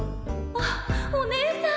あっお姉さん。